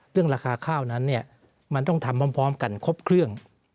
เรื่องราคาข้าวนั้นมันต้องทำพร้อมกันครบเครื่อง